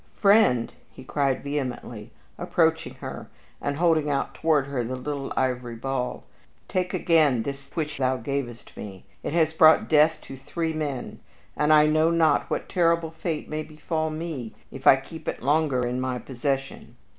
"Friend," he cried, vehemently, approaching her and holding out toward her the little ivory ball, "take again this which thou gavest me! It has brought death to three men, and I know not what terrible fate may befall me if I keep it longer in my possession."